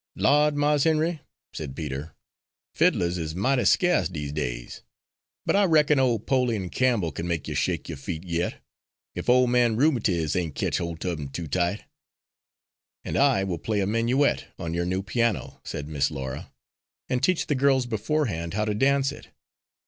"Lawd, Mars Henry!" said Peter, "fiddlers is mighty sca'ce dese days, but I reckon ole 'Poleon Campbell kin make you shake yo' feet yit, ef Ole Man Rheumatiz ain' ketched holt er 'im too tight." "And I will play a minuet on your new piano," said Miss Laura, "and teach the girls beforehand how to dance it.